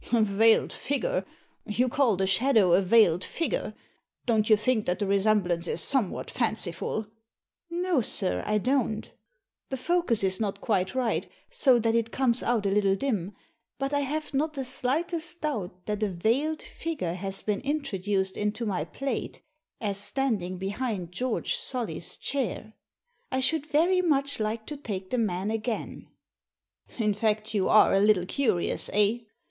"Veiled figure! You call the shadow a veiled figure? Don't you think that the resemblance is somewhat fanciful?" " No, sir, I don't The focus is not quite right, so that it comes out a little dim ; but I have not the slightest doubt that a veiled figure has been intro duced into my plate, as standing behind George Solly's chain I should very much like to take the man again." Digitized by VjOOQIC 20 THE SEEN AND THE UNSEEN " In fact, you are a little curious, eh